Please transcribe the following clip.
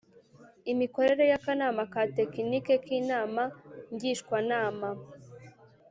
Imikorere y Akanama ka Tekinike k Inama Ngishwanama